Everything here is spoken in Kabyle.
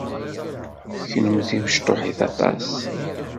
Kenemti mecṭuḥit aṭas.